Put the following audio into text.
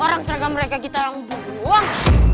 orang seragam mereka kita buang